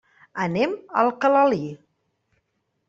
Anem a Alcalalí.